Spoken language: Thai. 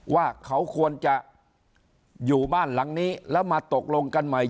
ว่าเขาควรจะอยู่บ้านหลังนี้แล้วมาตกลงกันใหม่